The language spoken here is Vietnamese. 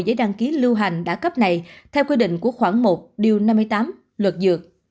giấy đăng ký lưu hành đã cấp này theo quy định của khoảng một điều năm mươi tám luật dược